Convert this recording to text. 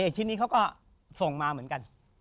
ชิ้นนี้เขาก็ส่งมาเหมือนกัน